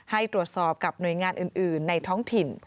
ให้ตรวจสอบกับหน่วยงานอื่นในท้องถิ่น